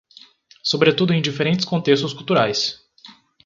Sobretudo em diferentes contextos culturais